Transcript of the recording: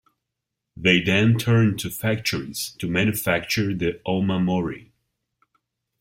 They then turn to factories to manufacture the "omamori".